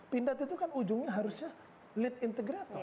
pindad itu kan ujungnya harusnya lead integrator